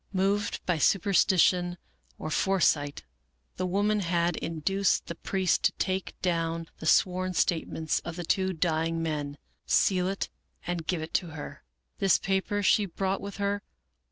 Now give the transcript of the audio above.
Moved by superstition or foresight, the woman had induced the priest to take down the sworn statements of the two dying men, seal it, and give it to her. This paper she brought with her.